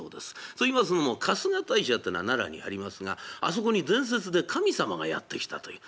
といいますのも春日大社ってのが奈良にありますがあそこに伝説で神様がやって来たという。